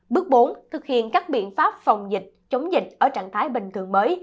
bước bốn thực hiện các biện pháp phòng dịch chống dịch ở trạng thái bình thường mới